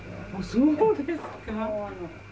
そうですか。